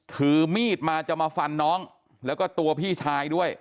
ถือมีดมาจะมาฟันน้องแล้วก็ตัวพี่ชายด้วย